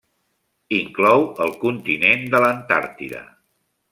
Inclou el continent de l'Antàrtida.